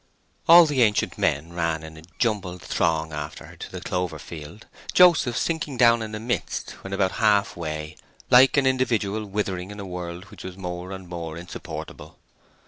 All the ancient men ran in a jumbled throng after her to the clover field, Joseph sinking down in the midst when about half way, like an individual withering in a world which was more and more insupportable.